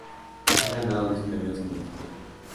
Ha ganado dos premios con esta serie.